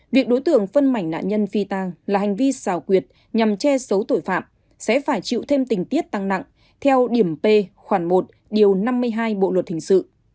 việc đối tượng phân mảnh nạn nhân phi tang là hành vi xào quyệt nhằm che giấu tội phạm sẽ phải chịu thêm tình tiết tăng nặng theo điểm p khoảng một điều năm mươi hai bộ luật hình sự